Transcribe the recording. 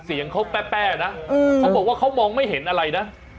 เสียงเขาแป้นะเขาบอกว่าเขามองไม่เห็นอะไรนะ